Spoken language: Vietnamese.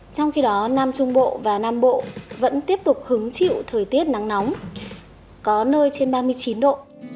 trong khi đó nam trung bộ và nam bộ vẫn tiếp tục hứng chịu thời tiết nắng nóng có nơi trên ba mươi chín độ